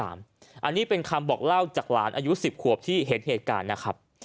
อันนี้เป็นคำบอกเล่าจากหลานอายุ๑๐ขวบที่เห็นเหตุการณ์นะครับ